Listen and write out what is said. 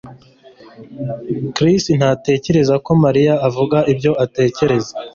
Chris ntatekereza ko Mariya avuga ibyo atekereza